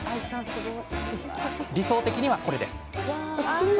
理想的には、これです。